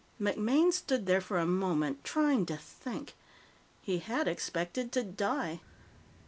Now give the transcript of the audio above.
MacMaine stood there for a moment, trying to think. He had expected to die.